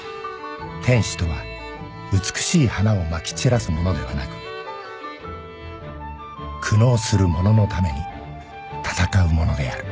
「天使とは美しい花を撒き散らす者ではなく苦悩する者のために戦う者である」